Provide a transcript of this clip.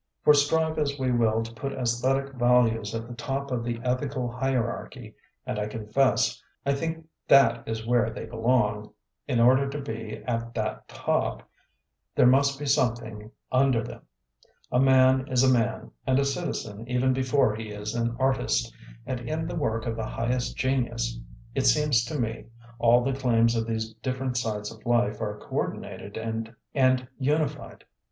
For strive as we will to put Aesthetic values at the top of the ethical hierarchy (and I confess I think that is where they belong), in order to be at that top, there must be something under them. A man is a man and a citizen even before he is an artist; and in the work of the highest genius, it seems to me, all the claims of these different sides of life are coordinated and uni fied.